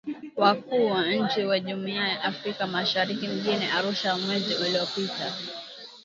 Wakuu wa Nchi wa Jumuiya ya Afrika Mashariki mjini Arusha mwezi uliopita